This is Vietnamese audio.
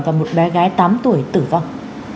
và một bé gái tám tuổi tử vong